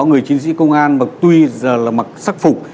thì cái hình ảnh của nhà sĩ công an mà tuy là mặc sắc phục